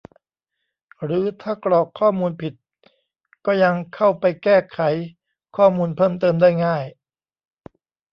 หรือถ้ากรอกข้อมูลผิดก็ยังเข้าไปแก้ไขข้อมูลเพิ่มเติมได้ง่าย